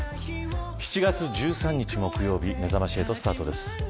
７月１３日木曜日めざまし８スタートです。